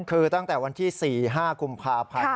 คือตั้งแต่วันที่๔๕กุมภาพันธ์